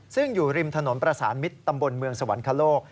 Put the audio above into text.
ซึ่งอยู่ริมถนนประสานมิตรตำบลเมืองสวรรคโลก